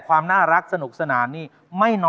อยากแต่งานกับเธออยากแต่งานกับเธอ